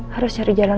harus cari jalan lain